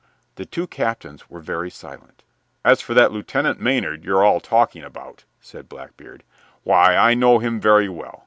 The two captains were very silent. "As for that Lieutenant Maynard you're all talking about," said Blackbeard, "why, I know him very well.